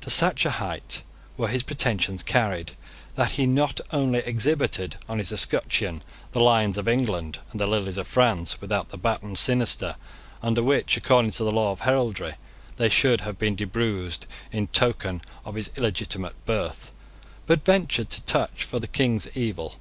To such a height were his pretensions carried, that he not only exhibited on his escutcheon the lions of England and the lilies of France without the baton sinister under which, according to the law of heraldry, they should have been debruised in token of his illegitimate birth, but ventured to touch for the king's evil.